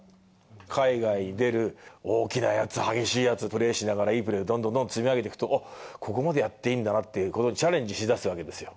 海外出る、大きなやつ、激しいやつ、いいプレーをどんどん積み上げていくと、おっ、ここまでやっていいんだなって、今度チャレンジしだすわけですよ。